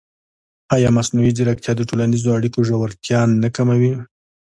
ایا مصنوعي ځیرکتیا د ټولنیزو اړیکو ژورتیا نه کموي؟